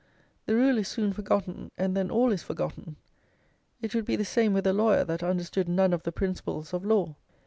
The rule is soon forgotten, and then all is forgotten. It would be the same with a lawyer that understood none of the principles of law.